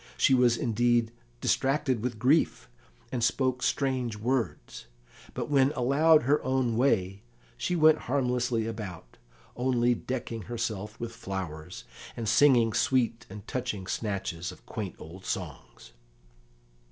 She was indeed distracted with grief, and spoke strange words, but when allowed her own way she went harmlessly about, only decking herself with flowers, and singing sweet and touching snatches of quaint old songs.